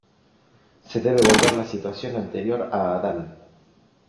Se debe volver a la situación anterior a Adán.